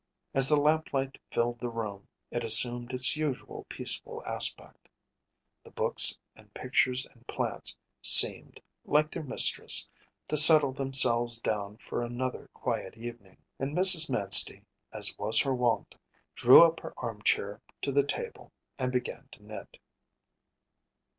As the lamp light filled the room it assumed its usual peaceful aspect. The books and pictures and plants seemed, like their mistress, to settle themselves down for another quiet evening, and Mrs. Manstey, as was her wont, drew up her armchair to the table and began to knit.